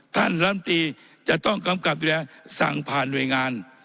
ท่านล้ำตีจะต้องกำกับอยู่แล้วสั่งผ่านหน่วยงาน